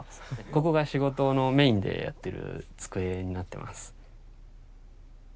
ここが仕事のメインでやってる机になってます。